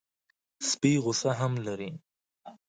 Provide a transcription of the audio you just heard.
سپي غصه هم لري.